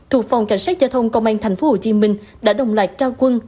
thuộc phòng cảnh sát giao thông công an tp hcm đã đồng loạt trao quân